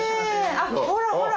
あっほらほら